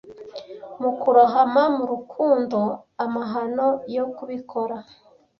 mu kurohama mu rukundo amahano yo kubikora